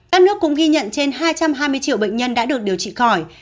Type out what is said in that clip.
các nước cũng ghi nhận trên hai trăm hai mươi triệu bệnh nhân đã được điều trị khỏi